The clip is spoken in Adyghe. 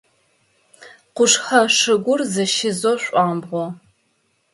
Къушъхьэ шыгур зэщизэу шъуамбгъо.